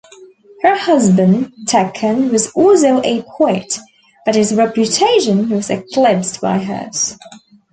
Her husband Tekkan was also a poet, but his reputation was eclipsed by hers.